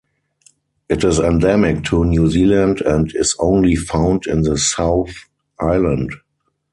It is endemic to New Zealand and is only found in the South Island.